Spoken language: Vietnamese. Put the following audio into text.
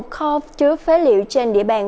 một kho chứa phế liệu trên địa bàn